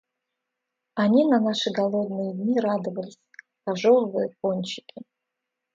Они на наши голодные дни радовались, пожевывая пончики.